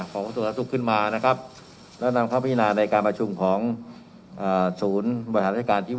และนำเข้าพิจารณาในการประชุมของฐานพยาบาล์วัยธการส์ที่ว่านะครับ